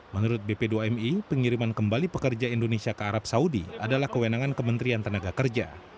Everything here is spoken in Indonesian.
menurut bp dua mi pengiriman kembali pekerja indonesia ke arab saudi adalah kewenangan kementerian tenaga kerja